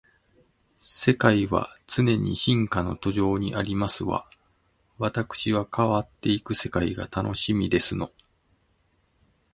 世界は常に進化の途上にありますわ。わたくしは変わっていく世界が楽しみですの